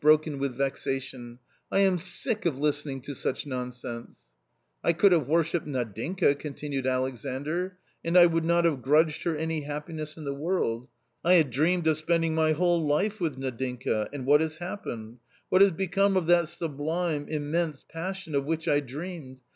broken with vexation, " I am sick of listening to such nonsense !" "I could have worshipped Nadinka," continued Alex andr, " and I would not have grudged her any happiness in the world ; I had dreamed of spending my whole life with Nadinka — and what has happened ? What has become of that sublime, immense passion of which I dreamed